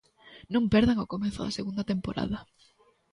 Non perdan o comezo da segunda temporada.